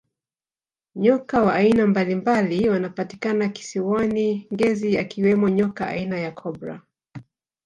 nyoka wa aina mbalimbali wanapatikana kisiwani ngezi akiwemo nyoka aina ya cobra